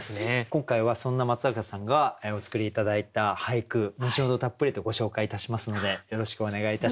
今回はそんな松坂さんがお作り頂いた俳句後ほどたっぷりとご紹介いたしますのでよろしくお願いいたします。